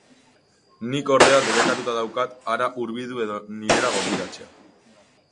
Nik, ordea, debekatuta daukat hara hurbildu edo nirera gonbidatzea.